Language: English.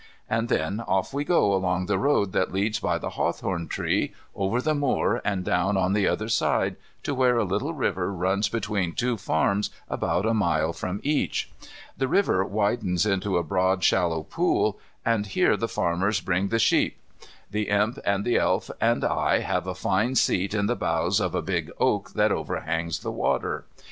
And then off we go along the road that leads by the hawthorn tree, over the moor and down on the other side, to where a little river runs between two farms about a mile from each. The river widens into a broad shallow pool, and here the farmers bring the sheep. The Imp and the Elf and I have a fine seat in the boughs of a big oak that overhangs the water.